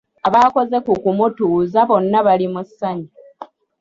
Abaakoze ku kumutuuza bonna bali mu ssanyu.